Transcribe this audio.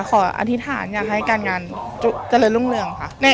อธิษฐานอยากให้การงานเจริญรุ่งเรืองค่ะ